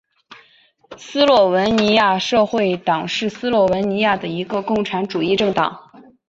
斯洛文尼亚社会党是斯洛文尼亚的一个共产主义政党。